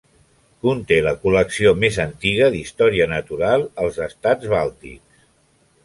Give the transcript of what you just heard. Conté la col·lecció més antiga d'història natural als Estats bàltics.